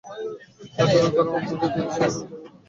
কাজের লোক, দারোয়ান, মালী, এদের সবাইকে বিদায় করে দাও।